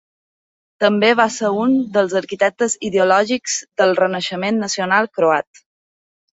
També va ser un dels arquitectes ideològics del renaixement nacional croat.